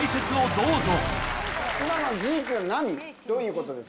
どういうことですか？